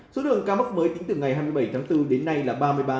số lượng ca mắc mới tính từ ngày hai mươi bảy tháng bốn đến nay là ba mươi ba